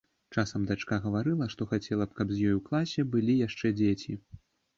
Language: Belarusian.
Часам дачка гаварыла, што хацела б, каб з ёй у класе былі яшчэ дзеці.